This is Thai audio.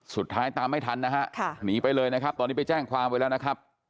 สุดท้ายตามไม่ทันนะฮะหนีไปเลยนะครับตอนนี้ไปแจ้งความไว้แล้วนะครับ